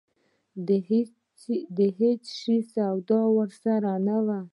د هېڅ شي سودا راسره نه وه.